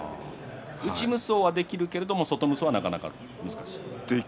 内無双はあるけれど外無双はなかなか難しい。